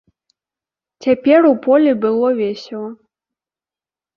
Цяпер у полі было весела.